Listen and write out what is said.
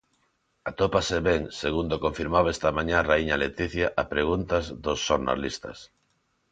Atópase ben, segundo confirmaba esta mañá a raíña Letizia a preguntas dos xornalistas.